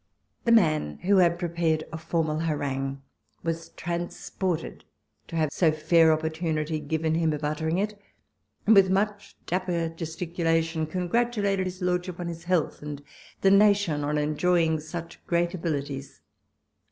The man, who had prepared a formal harangue, was transported to have so fair opportunity given him of uttering it, and with much dapper gesticulation congratulated his lordship on his walpole's letters. 99 health, and the nation on enjoying such great abilities.